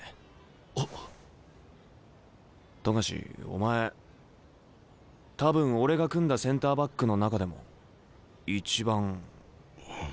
冨樫お前多分俺が組んだセンターバックの中でも一番。